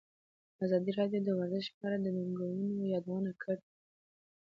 ازادي راډیو د ورزش په اړه د ننګونو یادونه کړې.